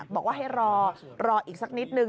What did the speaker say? บอกว่าให้รออีกสักนิดนึง